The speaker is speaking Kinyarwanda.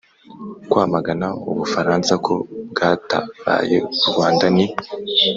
kwamagana u bufaransa ko bwatabaye u rwanda ni